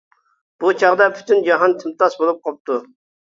بۇ چاغدا پۈتۈن جاھان تىمتاس بولۇپ قاپتۇ.